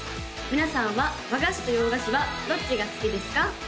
皆さんは和菓子と洋菓子はどっちが好きですか？